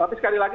tapi sekali lagi